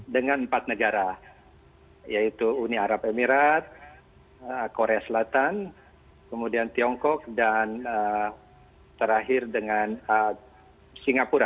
dengan empat negara yaitu uni arab emirat korea selatan kemudian tiongkok dan terakhir dengan singapura